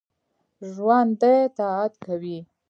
ژوندي طاعت کوي